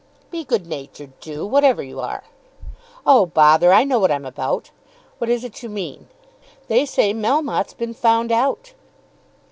"Be good natured, Ju, whatever you are." "Oh, bother! I know what I'm about. What is it you mean?" "They say Melmotte's been found out."